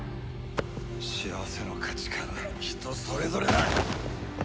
幸せの価値観は人それぞれだ！